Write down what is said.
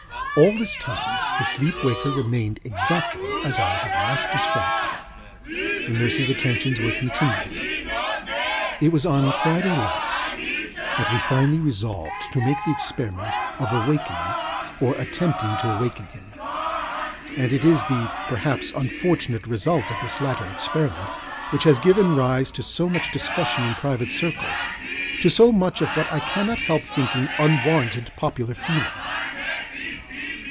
All this time the sleeper waker remained exactly as I have last described him. The nursesŌĆÖ attentions were continual. It was on Friday last that we finally resolved to make the experiment of awakening, or attempting to awaken him; and it is the (perhaps) unfortunate result of this latter experiment which has given rise to so much discussion in private circlesŌĆöto so much of what I cannot help thinking unwarranted popular feeling.